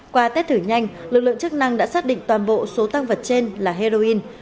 qua test thử nhanh lực lượng chức năng đã xác định toàn bộ số tăng vật trên là heroin